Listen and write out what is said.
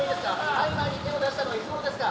大麻に手を出したのはいつ頃ですか？